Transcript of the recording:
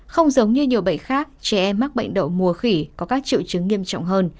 không giống như nhiều bệnh khác trẻ em mắc bệnh đậu mùa khỉ có các triệu chứng nghiêm trọng hơn